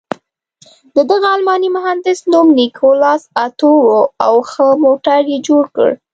د دغه الماني مهندس نوم نیکلاس اتو و او ښه موټر یې جوړ کړ.